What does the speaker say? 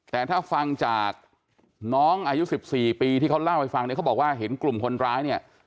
แต่ถ้าฟังจากน้องอายุ๑๔ปีที่เขาเล่าให้ฟังเนี่ยเขาบอกว่าเห็นกลุ่มคนร้ายเนี่ย